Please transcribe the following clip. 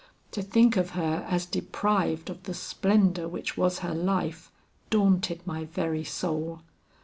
To think of her as deprived of the splendor which was her life, daunted my very soul.